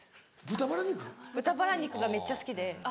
豚バラ肉がめっちゃ好きで。